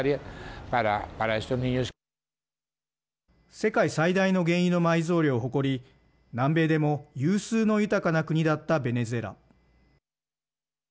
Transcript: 世界最大の原油の埋蔵量を誇り南米でも有数の豊かな国だったベネズエラ。